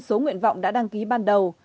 số nguyện vọng đã đăng ký ban đầu